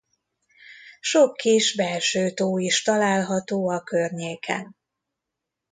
Sok kis belső tó is található a környéken.